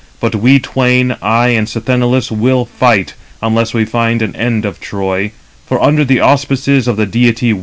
But we twain, I and Sthenelus, 293 will fight, until we find an end of Troy; for under the auspices of the deity we came."